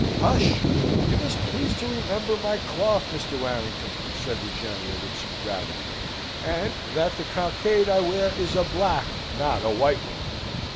"Hush! you must please to remember my cloth, Mr. Warrington," said the General, with some gravity; "and that the cockade I wear is a black, not a white one!